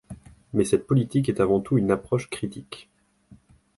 Mais cette politique est avant tout une approche critique.